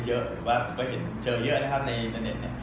หรือว่าผมก็เห็นเจอเยอะนะครับในเน็ตเนี่ย